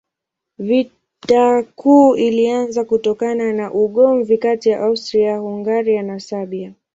Vita Kuu ilianza kutokana na ugomvi kati ya Austria-Hungaria na Serbia.